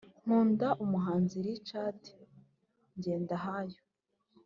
nkunda umuhanzi richard ngendahayo